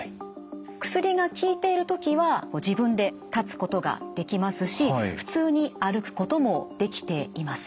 薬が効いてるときは自分で立つことができますし普通に歩くこともできています。